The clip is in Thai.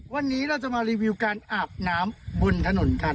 วันนี้เราจะมารีวิวการอาบน้ำบนถนนกัน